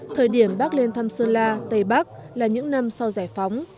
thời điểm bác lên thăm sơn la tây bắc là những năm sau giải phóng